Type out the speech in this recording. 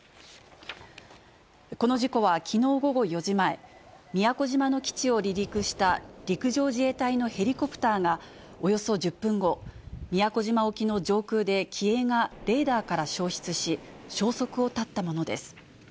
この事故はきのう午後４時前、宮古島の基地を離陸した陸上自衛隊のヘリコプターが、およそ１０分後、宮古島沖の上空で機影がレーダーから消失し、消息を絶ったものです。